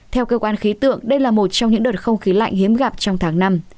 theo cơ quan khí tượng đây là một trong những đợt không khí lạnh hiếm gặp trong tháng năm